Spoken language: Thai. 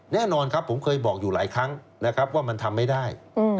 แน่นอนครับผมเคยบอกอยู่หลายครั้งนะครับว่ามันทำไม่ได้